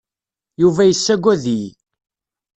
Yuba yessaggad-iyi.